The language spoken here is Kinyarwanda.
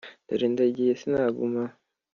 dore ndagiye sinaguma aha